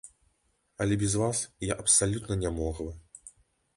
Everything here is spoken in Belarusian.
Але без вас я абсалютна нямоглы.